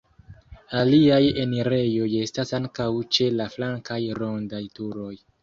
Aliaj enirejoj estas ankaŭ ĉe la flankaj rondaj turoj.